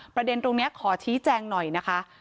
ประเด็นตรงนี้ขอชี้แจงหน่อยนะคะ